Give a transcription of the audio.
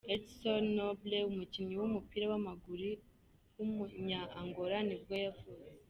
Édson Nobre, umukinnyi w’umupira w’amaguru w’umunya Angola nibwo yavutse.